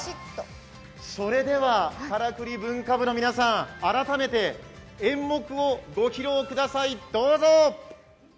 それでは、からくり文化部の皆さん改めて演目をご披露ください、どうぞ。